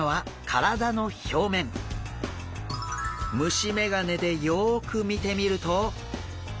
虫メガネでよく見てみると。